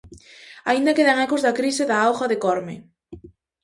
Aínda quedan ecos da crise da auga de Corme.